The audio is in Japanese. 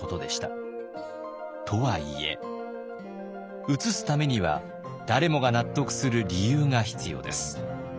とはいえ移すためには誰もが納得する理由が必要です。